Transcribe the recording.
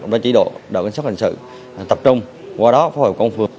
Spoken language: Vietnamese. và chỉ đạo đạo cảnh sát hình sự tập trung qua đó phó hội công phường